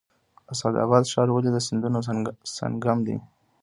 اسعد اباد ښار ولې د سیندونو سنگم دی؟